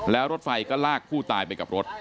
แล้วรถไฟก็ลากผู้ตายไปกับรถ